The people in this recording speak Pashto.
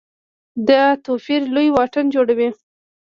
دا توپیر لوی واټن جوړوي.